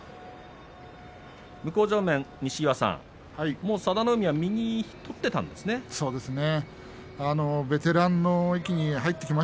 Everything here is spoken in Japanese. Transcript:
向正面の西岩さん、佐田の海は右を取っていたんですね。